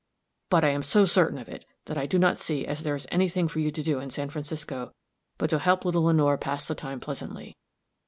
But I am so certain of it, that I do not see as there is any thing for you to do in San Francisco but to help little Lenore pass the time pleasantly.